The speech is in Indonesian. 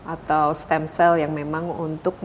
atau stem cell yang memang untuk